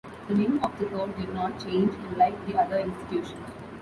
The name of the Court did not change unlike the other institutions.